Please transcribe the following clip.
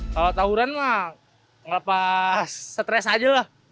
kalau tawuran mah ngelepas stres aja lah